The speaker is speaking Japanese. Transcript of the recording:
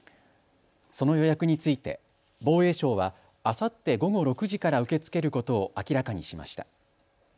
その予約について防衛省はあさって午後６時から受け付けることを明らかにしました。